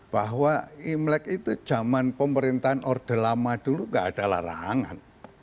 bahwa imlek itu zaman pemerintahan orde lama dulu gak ada larangan